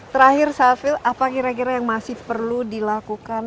terakhir safil apa kira kira yang masih perlu dilakukan